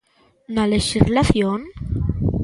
Na lexislación?